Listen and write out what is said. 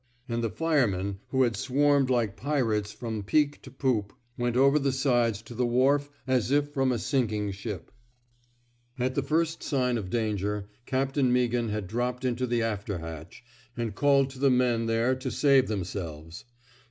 " And the fire men who had swarmed like pirates from 44 A CHARGE OF COWARDICE peak to poop, went over the sides to the wharf as if from a sinking ship. At the first word of danger, Captain Meaghan had dropped into the after hatch, and called to the men there to save them selves.